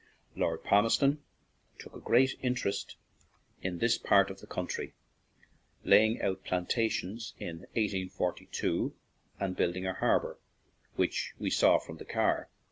Lord Palmerston took a great interest in this part of the country, laying out plantations in 1842 and building a har bor, which we saw from the car.